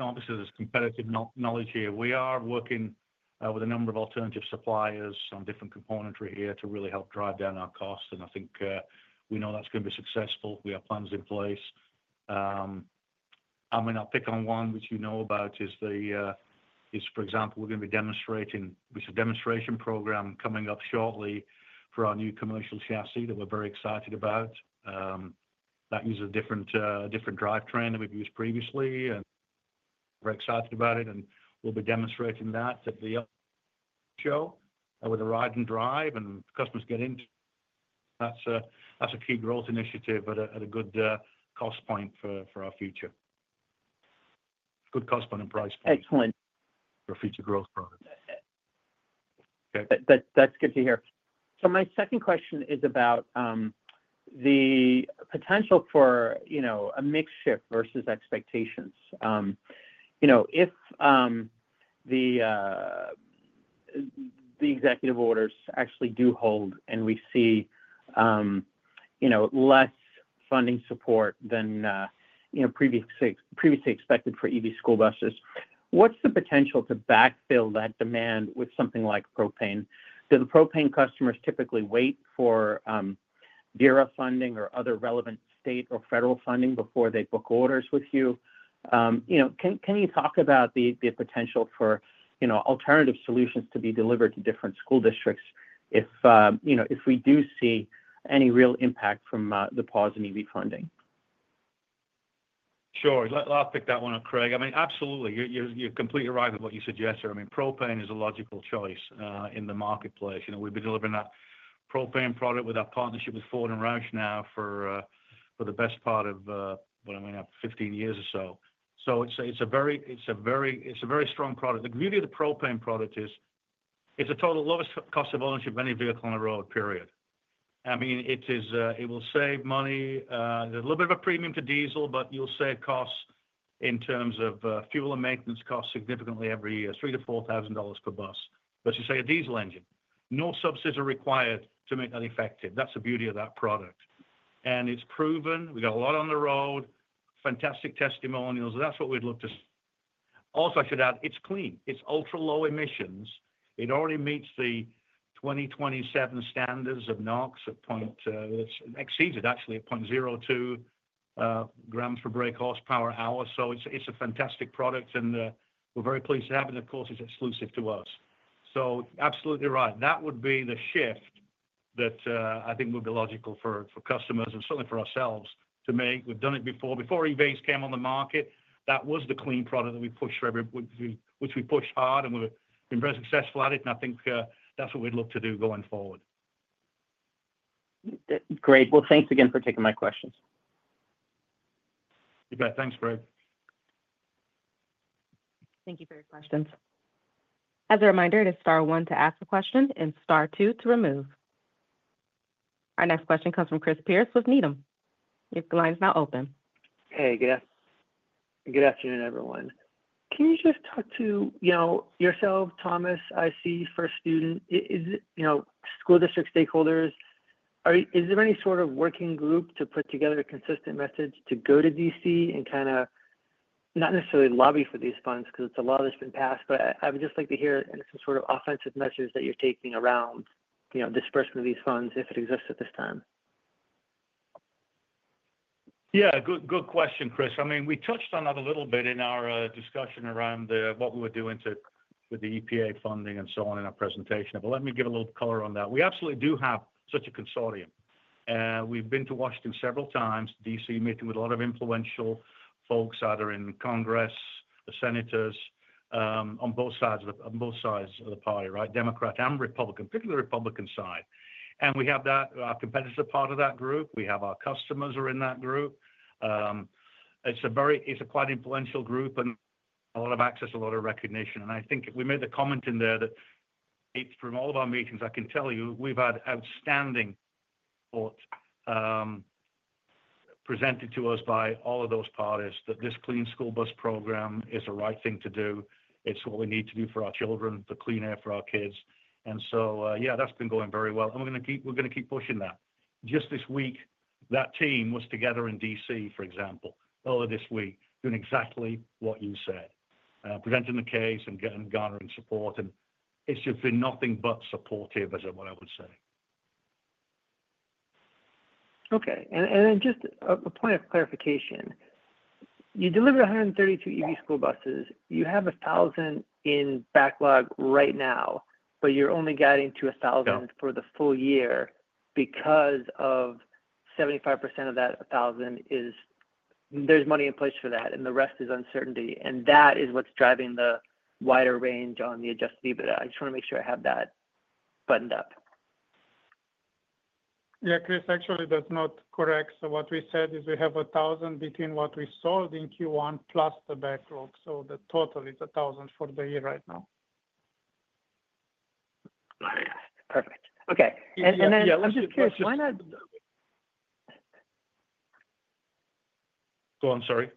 obviously there's competitive knowledge here. We are working with a number of alternative suppliers on different components right here to really help drive down our costs. And I think we know that's going to be successful. We have plans in place. I mean, I'll pick on one which you know about, is the, for example, we're going to be demonstrating, which is a demonstration program coming up shortly for our new commercial chassis that we're very excited about. That uses a different drivetrain than we've used previously. And we're excited about it, and we'll be demonstrating that at the show with a ride and drive, and customers get into it. That's a key growth initiative at a good cost point for our future. Good cost point and price point. Excellent. For future growth products. Okay. That's good to hear. So my second question is about the potential for, you know, a mix shift versus expectations. You know, if the executive orders actually do hold and we see, you know, less funding support than, you know, previously expected for EV school buses, what's the potential to backfill that demand with something like propane? Do the propane customers typically wait for VERA funding or other relevant state or federal funding before they book orders with you? You know, can you talk about the potential for, you know, alternative solutions to be delivered to different school districts if, you know, if we do see any real impact from the pause in EV funding? Sure. I'll pick that one up, Craig. I mean, absolutely. You're completely right with what you suggest there. I mean, propane is a logical choice in the marketplace. You know, we've been delivering that propane product with our partnership with Ford and Roush now for the best part of, I mean, 15 years or so. So it's a very strong product. The beauty of the propane product is it's a total lowest cost of ownership of any vehicle on the road, period. I mean, it will save money. There's a little bit of a premium to diesel, but you'll save costs in terms of fuel and maintenance costs significantly every year, $3,000-$4,000 per bus. But as you say, a diesel engine, no subsidies are required to make that effective. That's the beauty of that product. And it's proven. We've got a lot on the road, fantastic testimonials. That's what we'd look to see. Also, I should add, it's clean. It's ultra low emissions. It already meets the 2027 standards of NOx at 0.02, it exceeds it actually at 0.02 grams per brake horsepower hour. So it's a fantastic product, and we're very pleased to have it. Of course, it's exclusive to us. So absolutely right. That would be the shift that I think would be logical for customers and certainly for ourselves to make. We've done it before. Before EVs came on the market, that was the clean product that we pushed for everyone, which we pushed hard and we've been very successful at it, and I think that's what we'd look to do going forward. Great. Well, thanks again for taking my questions. You bet. Thanks, Craig. Thank you for your questions. As a reminder, it is star one to ask a question and star two to remove. Our next question comes from Chris Pierce with Needham. The line is now open. Hey, good afternoon, everyone. Can you just talk to, you know, yourself, Thomas, IC, First Student, you know, school district stakeholders? Is there any sort of working group to put together a consistent message to go to DC and kind of not necessarily lobby for these funds because it's a law that's been passed, but I would just like to hear some sort of offensive message that you're taking around, you know, disbursing these funds if it exists at this time? Yeah, good question, Chris. I mean, we touched on that a little bit in our discussion around what we were doing with the EPA funding and so on in our presentation, but let me give a little color on that. We absolutely do have such a consortium. We've been to Washington several times, D.C. meeting with a lot of influential folks either in Congress, the senators, on both sides, on both sides of the party, right? Democrat and Republican, particularly the Republican side. And we have that, our competitive part of that group. We have our customers who are in that group. It's a very influential group and a lot of access, a lot of recognition. And I think we made the comment in there that from all of our meetings, I can tell you we've had outstanding thought presented to us by all of those parties that this clean school bus program is the right thing to do. It's what we need to do for our children, the clean air for our kids. And so, yeah, that's been going very well. And we're going to keep pushing that. Just this week, that team was together in D.C., for example, earlier this week, doing exactly what you said, presenting the case and garnering support. And it's just been nothing but supportive, is what I would say. Okay. And then just a point of clarification. You delivered 132 EV school buses. You have 1,000 in backlog right now, but you're only getting to 1,000 for the full year because 75% of that 1,000 is there's money in place for that, and the rest is uncertainty. And that is what's driving the wider range on the Adjusted EBITDA. I just want to make sure I have that buttoned up. Yeah, Chris, actually that's not correct. So what we said is we have 1,000 between what we sold in Q1 plus the backlog. So the total is 1,000 for the year right now. Perfect. Okay. And then, yeah, let me just quickly. Go on, sorry.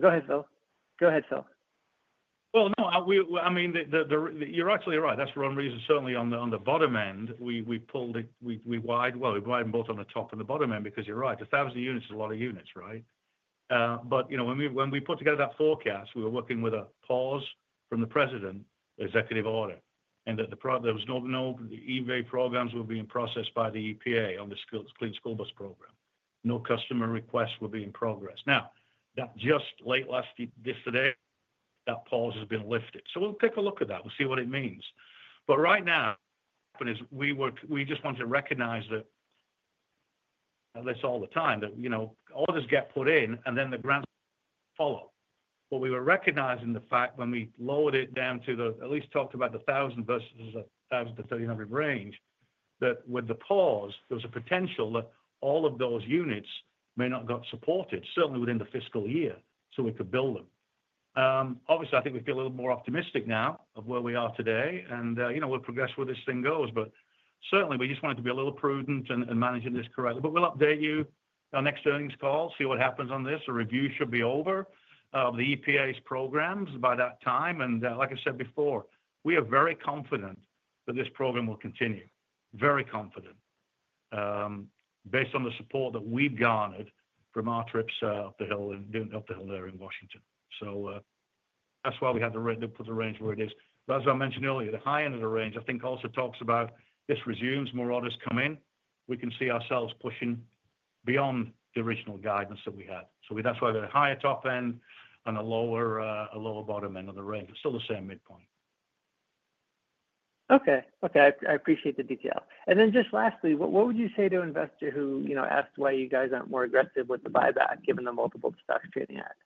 Go ahead, Phil. Go ahead, Phil. Well, no, I mean, you're absolutely right. That's one reason. Certainly on the bottom end, we pulled it wide. Well, we widen both on the top and the bottom end because you're right. 1,000 units is a lot of units, right? But, you know, when we put together that forecast, we were working with a pause from the president, executive order, and that there was no EV programs were being processed by the EPA on the Clean School Bus Program. No customer requests were being progressed. Now, that just late last yesterday, that pause has been lifted. So we'll take a look at that. We'll see what it means. But right now, what happened is we just wanted to recognize that. That's all the time that, you know, orders get put in and then the grants follow. But we were recognizing the fact when we lowered it down to the, at least talked about the 1,000 versus 1,000-1,300 range, that with the pause, there was a potential that all of those units may not get supported, certainly within the fiscal year, so we could build them. Obviously, I think we feel a little more optimistic now of where we are today. And, you know, we'll progress where this thing goes, but certainly we just wanted to be a little prudent and manage this correctly. But we'll update you on next earnings call, see what happens on this. The review should be over of the EPA's programs by that time. And like I said before, we are very confident that this program will continue. Very confident. Based on the support that we've garnered from our trips up the hill and up the hill there in Washington. So that's why we had to put the range where it is. But as I mentioned earlier, the high end of the range, I think also talks about this assumes more orders come in. We can see ourselves pushing beyond the original guidance that we had. So that's why we had a higher top end and a lower, a lower bottom end of the range. It's still the same midpoint. Okay. Okay. I appreciate the detail. And then just lastly, what would you say to an investor who, you know, asked why you guys aren't more aggressive with the buyback given the multiple the stock's trading at?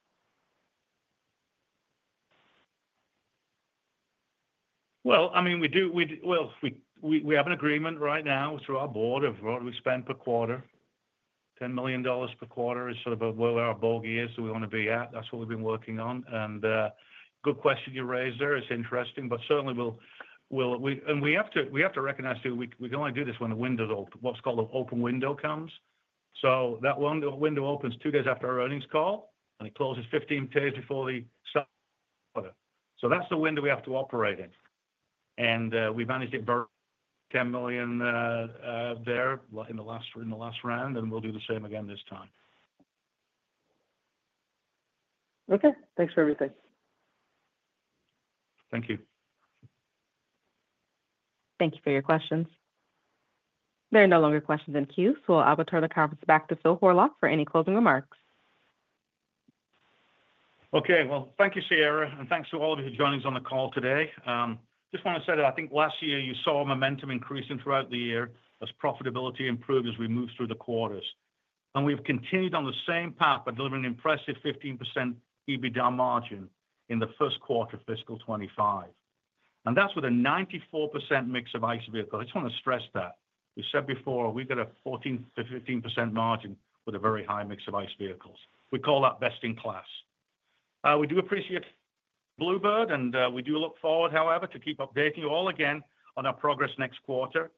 Well, I mean, we do, well, we have an agreement right now through our board of what we spend per quarter. $10 million per quarter is sort of where our bogey is that we want to be at. That's what we've been working on. Good question you raised there. It's interesting, but certainly we'll, and we have to recognize too, we can only do this when the window opens, what's called the open window comes. That window opens two days after our earnings call and it closes 15 days before the start of the quarter. That's the window we have to operate in. We managed it very well, $10 million there in the last round, and we'll do the same again this time. Okay. Thanks for everything. Thank you. Thank you for your questions. There are no longer questions in queue, so I'll turn the conference back to Phil Horlock for any closing remarks. Okay. Thank you, Sierra, and thanks to all of you for joining us on the call today. Just want to say that I think last year you saw momentum increasing throughout the year as profitability improved as we moved through the quarters. And we've continued on the same path by delivering an impressive 15% EBITDA margin in the first quarter of Fiscal 2025. And that's with a 94% mix of ICE vehicles. I just want to stress that. We said before we've got a 14-15% margin with a very high mix of ICE vehicles. We call that best in class. We do appreciate Blue Bird, and we do look forward, however, to keep updating you all again on our progress next quarter.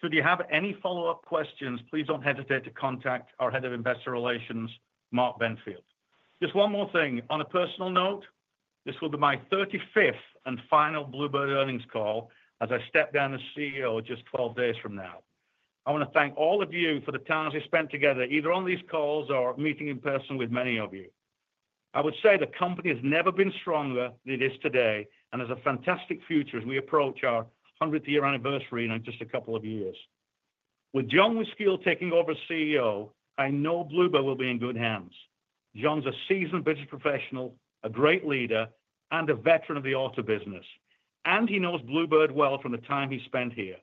Should you have any follow-up questions, please don't hesitate to contact our head of investor relations, Mark Benfield. Just one more thing. On a personal note, this will be my 35th and final Blue Bird earnings call as I step down as CEO just 12 days from now. I want to thank all of you for the time we spent together, either on these calls or meeting in person with many of you. I would say the company has never been stronger than it is today and has a fantastic future as we approach our 100th year anniversary in just a couple of years. With John Wyskiel taking over as CEO, I know Blue Bird will be in good hands. John's a seasoned business professional, a great leader, and a veteran of the auto business. And he knows Blue Bird well from the time he spent here.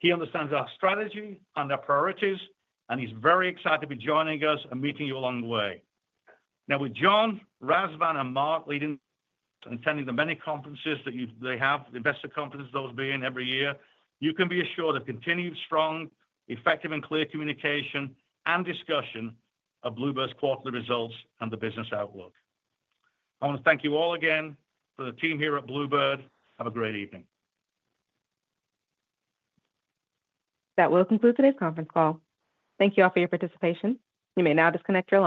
He understands our strategy and our priorities, and he's very excited to be joining us and meeting you along the way. Now, with John, Razvan, and Mark leading and attending the many conferences that they have, the investor conferences those being every year, you can be assured of continued strong, effective, and clear communication and discussion of Blue Bird's quarterly results and the business outlook. I want to thank you all again for the team here at Blue Bird. Have a great evening. That will conclude today's conference call. Thank you all for your participation. You may now disconnect from.